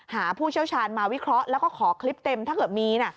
ผู้เชี่ยวชาญมาวิเคราะห์แล้วก็ขอคลิปเต็มถ้าเกิดมีนะ